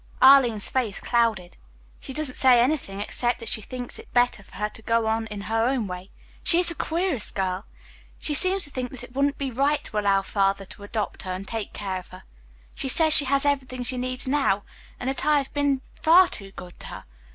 Arline's face clouded. "She doesn't say anything except that she thinks it better for her to go on in her own way. She is the queerest girl. She seems to think that it wouldn't be right to allow Father to adopt her and take care of her. She says she has everything she needs now, and that I have been far too good to her.